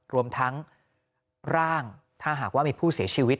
รวมทั้งร่างถ้าหากว่ามีผู้เสียชีวิต